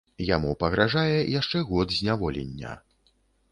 Яму пагражае яшчэ год зняволення.